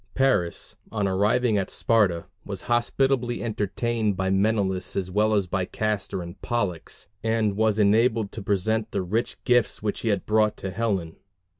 Paris, on arriving at Sparta, was hospitably entertained by Menelaus as well as by Castor and Pollux, and was enabled to present the rich gifts which he had brought to Helen.